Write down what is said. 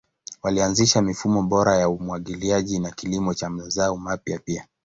Walianzisha mifumo bora ya umwagiliaji na kilimo cha mazao mapya pia.